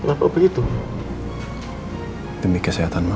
kenapa kita a